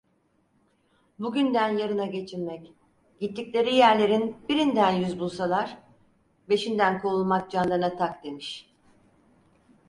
Bugünden yarına geçinmek, gittikleri yerlerin birinden yüz bulsalar, beşinden kovulmak canlarına tak demiş.